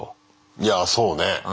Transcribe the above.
いやあそうね。